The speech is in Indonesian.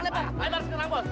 lembar sekarang bos